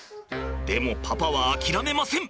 でもパパは諦めません。